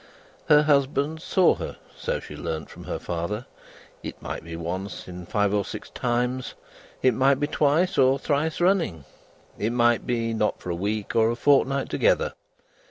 Her husband saw her (so she learned from her father) it might be once in five or six times: it might be twice or thrice running: it might be, not for a week or a fortnight together.